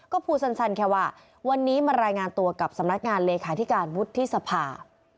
ก็พูดสั้นแค่ว่าวันนี้มารายงานตัวกับสำนักงานเลขาธิการวุฒิสภา